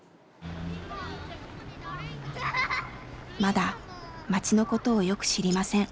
まだ町のことをよく知りません。